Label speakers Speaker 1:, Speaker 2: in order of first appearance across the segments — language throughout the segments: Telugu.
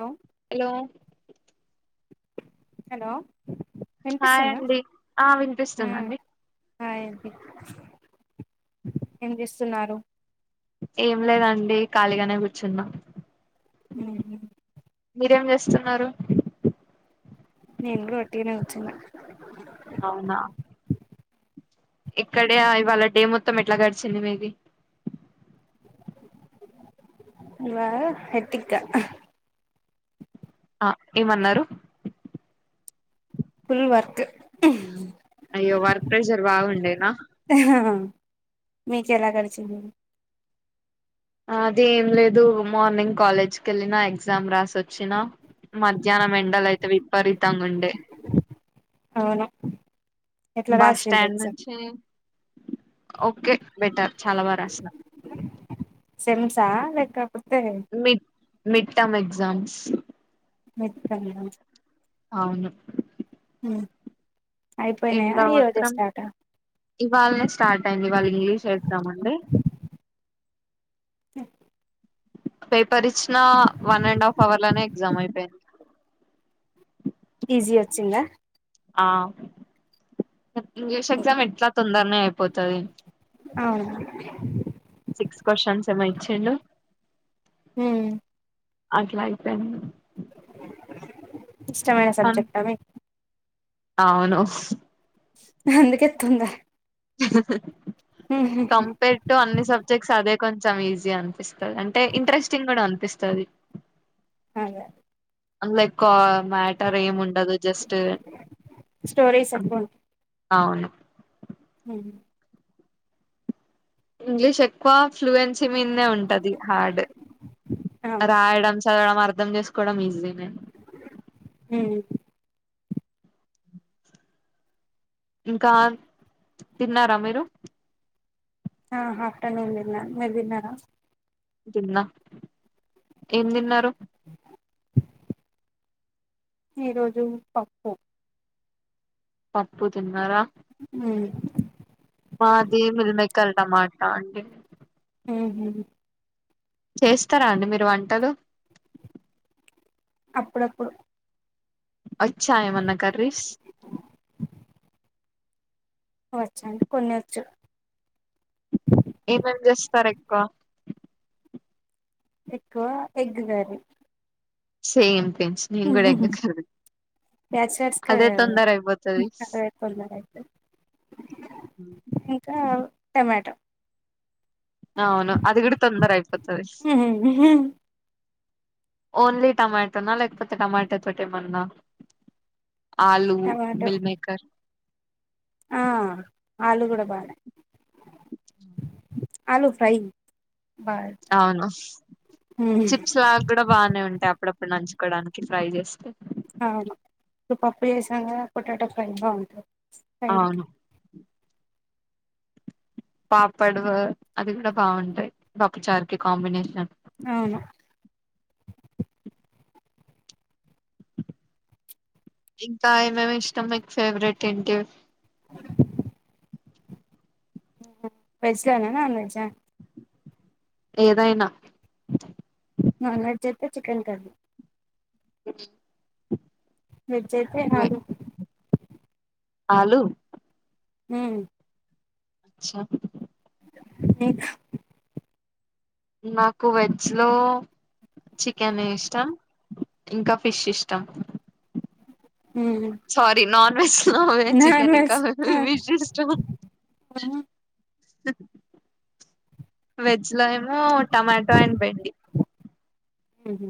Speaker 1: హలో
Speaker 2: హలో
Speaker 1: హలో వినిపిస్తుందా
Speaker 2: హాయ్ండి ఆ వినిపిస్తుందండి
Speaker 1: హాయ్ అండి ఏం చేస్తున్నారు
Speaker 2: ఏం లేదండి ఖాళీగానే కూర్చున్నాం
Speaker 1: మ్ హు
Speaker 2: మీరేం చేస్తున్నారు
Speaker 1: నిను కూడ వట్టిగనే కూర్చున్న
Speaker 2: అవునా ఇక్కడే ఇవాళ డే మొత్తం ఎట్లా గడిచింది మీది
Speaker 1: ఇవా హెట్టిక్క
Speaker 2: ఆ ఏమన్నారు
Speaker 1: ఫుల్ వర్క్
Speaker 2: అయ్యో వర్క్ ప్రెషర్ బాగుండేనా
Speaker 1: మీకేలా గడిచింది
Speaker 2: అది ఏం లేదు మార్నింగ్ కాలేజ్కి వెళ్ళినా ఎగ్జామ్ రాసి వచ్చినా మధ్యాహ్నం ఎండలైతే విపరీతంగా ఉండే
Speaker 1: అవును ఎట్లా
Speaker 2: బస్
Speaker 1: రాసిండ్రు
Speaker 2: స్టాండ్
Speaker 1: ఎగ్జామ్
Speaker 2: నుంచి ఓకే బెటర్ చాలా బా రాసిన
Speaker 1: సేమ్సా లేకపోతే
Speaker 2: మిడ్ మిడ్ టామ్ ఎగ్జామ్స్
Speaker 1: మీట్ టమ్మ
Speaker 2: అవును
Speaker 1: హు అయిపోయినాయా
Speaker 2: ఎండ
Speaker 1: ఈ రోజె
Speaker 2: మాత్రం
Speaker 1: స్టార్ట
Speaker 2: ఇవాళనే స్టార్ట్ అయింది ఇవాళ ఇంగ్లీష్ ఎగ్జామ్స్ ఉండే
Speaker 1: చె
Speaker 2: పేపర్ ఇచ్చిన వన్ అండ్ హాఫ్ అవర్ లనే క్సజమై పోయింది
Speaker 1: ఈజీ వచ్చింద
Speaker 2: ఆ ఇంగ్లీష్ ఎక్జామ్ ఎట్లా తొందర్నె
Speaker 1: అవును
Speaker 2: క్వాషన్స్ ఏమోఇచ్చిండు
Speaker 1: హు
Speaker 2: అట్లాయిపోయింది
Speaker 1: ఇష్టమైన సబ్జెక్ట్ అది
Speaker 2: అవును
Speaker 1: అందుకే తోందా
Speaker 2: కంపెర్డ్ టు అన్ని సబ్జెక్ట్స్ అదే కొంచెం ఈజీ అనిపిస్తుంది అంటే ఇంట్రెస్టింగ్ కూడా అనిపిస్తుంది
Speaker 1: అదే
Speaker 2: అల్లా ఎకో మ్యాటర్ ఏం ఉండదు జస్ట్
Speaker 1: స్టోరీస్ ఎక్కువ
Speaker 2: అవును
Speaker 1: అ
Speaker 2: ఇంగ్లీష్ ఎక్కువ ఫ్లూయెన్సీ మీదే ఉంటది హార్డ్ రాయడం చదవడం అర్థం చేసుకోవడం ఈజీ నే
Speaker 1: ఉమ్
Speaker 2: ఇంకా తిన్నారా మీరు
Speaker 1: హా ఆఫ్టేనూన్ తిన్న మీరు తిన్నారా
Speaker 2: తిన్న ఏం తిన్నారు
Speaker 1: ఈరోజు పప్పు
Speaker 2: పప్పు తిన్నారా
Speaker 1: హమ్
Speaker 2: మాది మిల్మకల్ టమాట అండి
Speaker 1: ఉ హూ
Speaker 2: చేస్తారా అండి మీరు వంటలు
Speaker 1: అప్పుడప్పుడు
Speaker 2: వ చ్చా ఏమన్న కర్రీస్
Speaker 1: వచ్చండి కొన్ని వచ్చు
Speaker 2: ఏమేమ్ చేస్తారా మీరు ఎక్కువ
Speaker 1: ఎక్కువ ఎగ్ కర్రీ
Speaker 2: సేమ్ ఫించ్ నేను కూడా ఎగ్ కర్రీ
Speaker 1: బ్యాచిలర్ కా
Speaker 2: అదే తొందర అయిపోతది
Speaker 1: [unintelligible] అయితే ఇంకా టమాటో
Speaker 2: అవును అది కూడా తొందర అయిపోతాది ఓన్లీ టమాటోనా లేకపోతే టమాటో తొటి ఏమన్నా ఆలూ,
Speaker 1: టమాటో
Speaker 2: మీల్మకర్
Speaker 1: ఆ ఆలు కూడా బానే ఆలూ ఫ్ర్య
Speaker 2: అవును చిప్స్ లాగ కూడా బాగానే ఉంటాయి అప్పుడప్పుడు నంచూ కోడానికి ఫ్రై చేస్తే
Speaker 1: అవును ఇప్పుడు పప్పు చేసాం కదా పొటాటో ఫ్రై. బావుంటది
Speaker 2: అవును పాపడవు అది కూడా బాగుంటాయి ప ప్పుచారుకి కాంబినేషన్
Speaker 1: అవును
Speaker 2: ఇంకా ఏమేమ్ ఇష్టం మీకు ఫేవరెట్ ఏంటివ్
Speaker 1: వెజ్ ఆ కావాలా నాన్వెజ్
Speaker 2: ఏదైనా
Speaker 1: నాన్ వెజ్ అయితే చికెన్ కర్రీ
Speaker 2: [inaudible]
Speaker 1: వెజ్ ఐతే ఆలూ
Speaker 2: ఆలూ
Speaker 1: ఉమ్
Speaker 2: అచ్చ
Speaker 1: ఇంక
Speaker 2: నాకు వెజ్ లో చికెన్ ఇష్టం ఇంకా ఫిష్ ఇష్టం sorry non veg non veg
Speaker 1: non
Speaker 2: chicken ఇంకా
Speaker 1: వెజ్
Speaker 2: ఫిష్ ఇష్టం వెజ్ లో ఏమో టమాటో అండ్ బెండి
Speaker 1: ఉహ్ హూ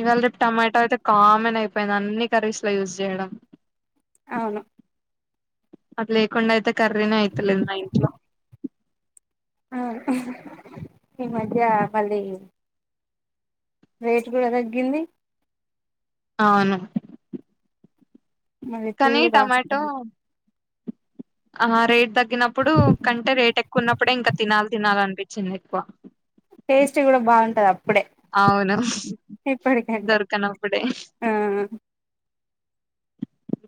Speaker 2: ఇవాళ రేపు టమాటో అయితే కామన్ అయిపోయింది అన్ని కర్రీస్ లో యూజ్ చేయడం
Speaker 1: అవును
Speaker 2: అది లేకుండాయితే కర్రీ నే అయితలేదు మా ఇంట్లో
Speaker 1: ఆ ఈ మధ్య మళ్ళీ రేట్ కూడా తగ్గింది
Speaker 2: అవును
Speaker 1: మళ్ళీ
Speaker 2: కనీ
Speaker 1: ఫుల్
Speaker 2: టమాటో
Speaker 1: కాస్తుంది
Speaker 2: అ హా రేట్ తగ్గినప్పుడు కంటే రేట్ ఎక్కువ ఉన్నప్పుడే ఇంకా తినాలి తినాలనిపించింది ఎక్కువ
Speaker 1: టేస్ట్ కూడా బాగుంటది అబ్ ప్పుడే
Speaker 2: అవును
Speaker 1: ఇప్పటికంటే
Speaker 2: దొరకనప్పుడే
Speaker 1: ఆ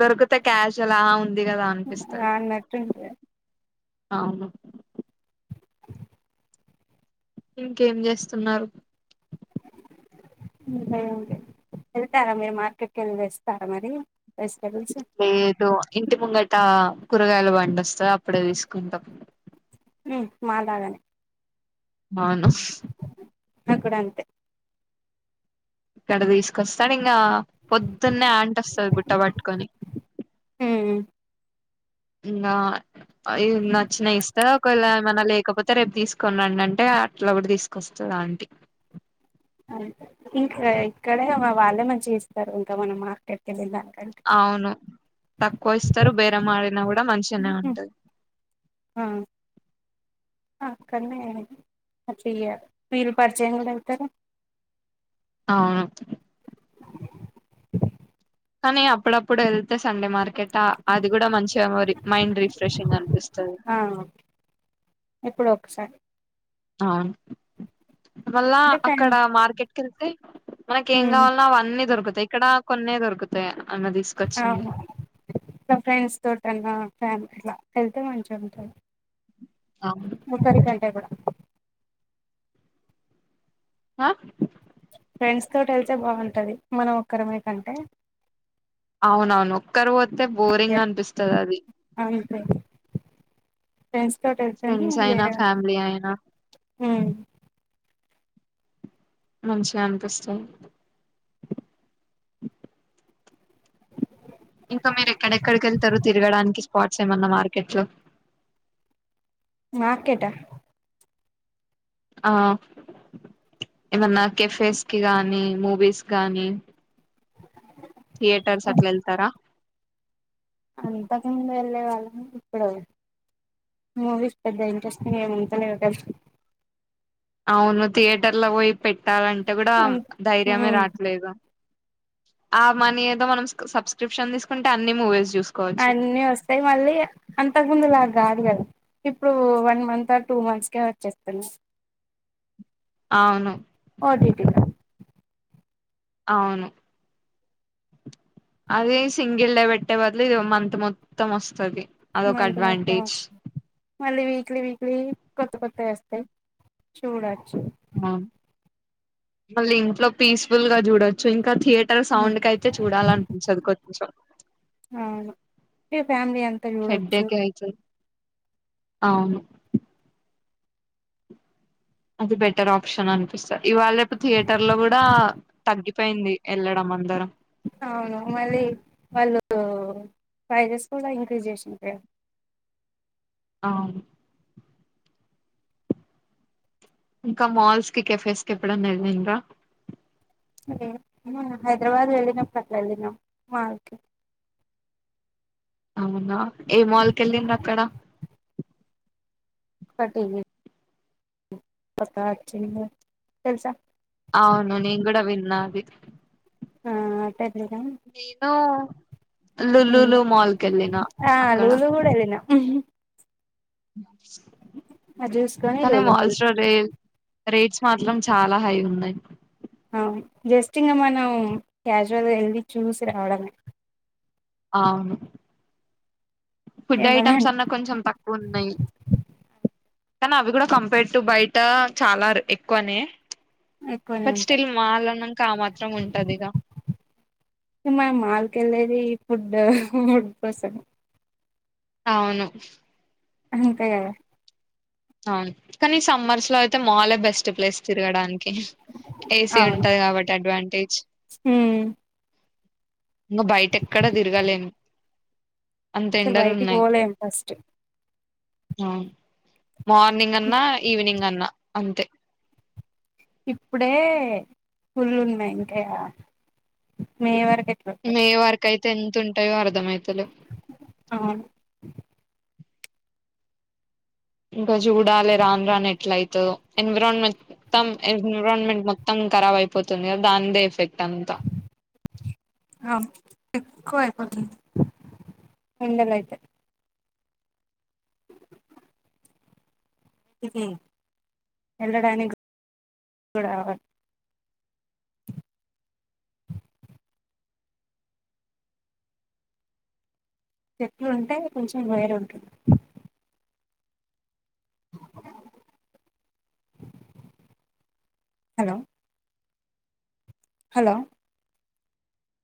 Speaker 2: దొరికుతే క్యాష్ అలా ఉంది కదా అనిపిస్తది
Speaker 1: అన్నట్టుంటది
Speaker 2: అవును ఇంకేం చేస్తున్నారు
Speaker 1: వెళ్తారా మీరు మార్కెట్కి వెళ్ళి తెస్తారా మరి వెజిటబుల్స్
Speaker 2: లేదు ఇంటి ముంగట కూరగాయల పండి వొస్తది అప్పుడే తీసుకుంటాం
Speaker 1: ఉమ్ మాలాగానే
Speaker 2: అవును
Speaker 1: న కూడ అంతే
Speaker 2: ఇక్కడ తీసుకొస్తాడు ఇంకా పొద్దున్నే ఆంట్ వస్తది బుట్ట పట్టుకొని
Speaker 1: ఉమ్
Speaker 2: ఇంగా నచ్చినయి ఇస్త్ ఒకవేళ ఏమన్నా లేకపోతే రేపు తీసుకుని రండి అంటే అట్లా కూడా తీసుకొస్ ఆంటి
Speaker 1: ఇంకా ఇక్కడే వాళ్ళే మంచిగా ఇస్తారు ఇంకా మనం మార్కెట్కి వెళ్ళిన దానికంటే
Speaker 2: అవును తక్కువ ఇస్తారు బేర మ డిన కూడా మంచిగానే
Speaker 1: ఉహు,
Speaker 2: ఉంటది
Speaker 1: ఒక్కరినే అట్ల ఇగ పీర్ పరిచయం కూడా అవుతారు
Speaker 2: అవును కానీ అప్పుడప్పుడు వెళ్తే సండే మార్కెటా అది కూడా మంచి మెమరీ మైండ్ రిఫ్రెషింగ్గా అనిపిస్తది
Speaker 1: ఆ, ఎప్పుడో ఒకసారి
Speaker 2: అవును మళ్ళా
Speaker 1: అంటే
Speaker 2: అక్కడ
Speaker 1: ఫ్రెండ్
Speaker 2: మార్కెట్కి వెళ్తే మనకి ఏం
Speaker 1: హ్మ్
Speaker 2: కావాల్నో అవన్నీ దొరుకుతాయి ఇక్కడ కొన్నే దొరుకుతాయి అమ్మ తీసుకొచ్చింది
Speaker 1: అవును ఇలా ఫ్రెండ్స్ తోటి అన్న ఫ్యామి ఇట్లా వెళ్తే మంచిగా ఉంటుంది
Speaker 2: అవును
Speaker 1: ముకరి కంటె కూడా
Speaker 2: ఆ
Speaker 1: ఫ్రెండ్స్ తోటి వెళ్తే బాగుంటుంది మనం ఒకరిమేకంటే
Speaker 2: అవునవును ఒక్కరు పోతే బోరింగ్
Speaker 1: యాహ్!
Speaker 2: అనిపిస్తది అది
Speaker 1: అంతే ఫ్రెండ్స్ తోటి వెళ్తేనే
Speaker 2: ఫ్రెండ్స్ అయినా
Speaker 1: వేరే ఉంటుంది
Speaker 2: ఫ్యామిలీ అయినా
Speaker 1: ఉమ్
Speaker 2: మంచిగా అనిపిస్తుంది ఇంకా మీరు ఎక్కడక్కడికి వెళ్తారు తిరగడానికి స్పాట్స్ ఏమన్నా మార్కెట్ లో
Speaker 1: మార్కెటా
Speaker 2: ఆ ఏమన్నా కెఫేస్ కి గానీ మూవీస్ గానీ థియేటర్స్ అట్లా వెళ్తారా
Speaker 1: అంతకు ముందు వెళ్ళే వాళ్ళం ఇప్పుడు మూవీస్ పెద్ద ఇంట్రెస్ట్ని మముంతనే అసలు
Speaker 2: అవును థియేటర్ లో పోయి పెట్టాలంటే కూడా
Speaker 1: అంత
Speaker 2: ధైర్యమే
Speaker 1: హ్మ్
Speaker 2: రాట్లేదు ఆ మనీ ఏదో మనం సబ్స్క్రిప్షన్ తీసుకుంటే అన్ని మూవీస్ చూస్త
Speaker 1: అన్ని వస్తాయి మళ్ళీ గా అంత ముందులా రాదు కదా ఇప్పుడు వన్ మంత్ ఆ టూ మంత్స్ కే వచ్చేస్తున్నాయి
Speaker 2: అవును
Speaker 1: ఓ టి టి ల
Speaker 2: అవును అది సింగిల్ డే పెట్టే బదుల ఇది మంత్ మొత్తం వస్తుది
Speaker 1: మంత్ మొత్తం వస్తుంది మళ్ళీ [unintelligible] కొత్త కొత్తవి వస్తాయి చూడాలి
Speaker 2: ఆ మళ్ళీ ఇంట్లో పీస్ఫుల్ గా చూడొచ్చు ఇ థియేటర్ సౌండ్ క అయితే చూడాలనిపించదు కొంచెం
Speaker 1: అవును ఫ్యామిలీ అంతా చూడవచ్చు
Speaker 2: హెడ్డేక్ అయితది అవును అది బెటర్ ఆప్షన్ అనిపిస్తంది ఇవాళ రేపు థియేటర్ లో కూడా తగ్గి అ పోయింది వెళ్ళడం అందరం
Speaker 1: అవును మళ్ళీ వాళ్ళు ప్రైసెస్ కూడా ఇంక్రీజ్ చేసి
Speaker 2: అవును ఇంకా మాల్స్ కి కేఫేస్ కి ఎప్పుడన్నా వెళ్ళరా
Speaker 1: లేదు హైదరాబాద్ కి వెళ్ళినప్పుడు వెళ్ళిన మాల్ కి
Speaker 2: అవునా ఏ మాల్కి వెళ్ళింది అక్కడ
Speaker 1: పటివి పతచ్చ తెలుసా
Speaker 2: అవును నేను కూడా విన్నా అది
Speaker 1: ఆ
Speaker 2: నేను
Speaker 1: హ
Speaker 2: లుల్లులు మాల్ కి వెళ్ళిన
Speaker 1: ఆ
Speaker 2: అక్కడ
Speaker 1: లులు కూడాడదిన చూసుకొని
Speaker 2: కానీ
Speaker 1: లూలు వెళ్ళినాం.
Speaker 2: మోల్స్లో రైల్ రేట్స్ మాత్రం చాలా హై ఉన్నాయి
Speaker 1: అవు జస్ట్ ఇంకా మనం క్యాజువల్గా వెళ్ళి చూసి రావడమే
Speaker 2: ఆను ఫుడ్
Speaker 1: ఏమన్నా
Speaker 2: ఐటమ్స్ అన్నా కొంచెం తక్కువ ఉన్నాయి కానీ అవి కూడా కంపేర్ టు బయట చాలా ఎక్కువనే
Speaker 1: ఎక్కువనే
Speaker 2: బట్
Speaker 1: ఉంటాయి
Speaker 2: స్టిల్ మాలాన్నాక ఆ మాత్రం ఉంటది ఇక
Speaker 1: మా మాల్క వెళ్ళేది ఈ ఫుడ్ ఫుడ్ కోసం
Speaker 2: అవును
Speaker 1: అంతే కదా
Speaker 2: అవును కానీ సమ్మర్స్ లో అయితే మల్ బెస్ట్ ప్లేస్ తిరగడానికి ఏసీ
Speaker 1: అవును
Speaker 2: ఉంటది కాబట్టి అడ్వాంటేజ్
Speaker 1: హ్మ్
Speaker 2: ఇంకా బయట ఎక్కడా తిరగాలేం అంత
Speaker 1: అసలు
Speaker 2: ఎండలు
Speaker 1: బయటికి
Speaker 2: ఉన్నాయి
Speaker 1: పోలేం ఫస్ట్
Speaker 2: మార్నింగ్ అన్నా ఈవినింగ్ అన్నా అంతే
Speaker 1: ఇప్పుడే ఫుల్ ఉన్నాయి ఇంకా మే వరకు ఎట్లుంటాయి
Speaker 2: మే వరకు అయితే ఎంత ఉంటాయో అర్ధమవుతలేవు.
Speaker 1: అవును
Speaker 2: ఇంకా చూడాలి రాని రాని ఎట్ల అవుతుందో ఎన్విరాన్మెంట్ మొత్తం ఎన్విరాన్మెంట్ మొత్తం ఖరాబ్ అయిపోతుంది దాని దే ఎఫెక్ట్ అంతా
Speaker 1: ఎక్కువ అయిపోతుంది ఎండలయితే ఇది వెళ్ళడానికి రావాలి. చెట్లు ఉంటే కొంచెం వైర్ ఉంటుంది. Hello hello